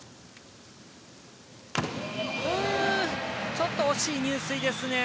ちょっと惜しい入水ですね。